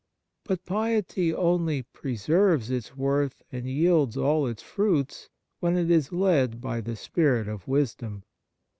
But piety only preserves its worth and yields all its fruits when it is led by the spirit of wisdom.